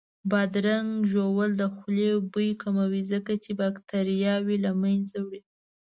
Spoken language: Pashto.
بادرنګ ژوول د خولې بوی کموي ځکه چې باکتریاوې له منځه وړي